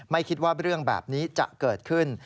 ไม่คิดว่าเรื่องแบบนี้จะเกิดขึ้น